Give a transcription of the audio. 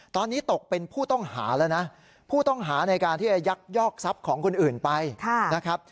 ตอนนี้ตกเป็นผู้ต้องหาแล้วนะผู้ต้องหาในการที่จะยักยอกทรัพย์ของคนอื่นไปนะครับ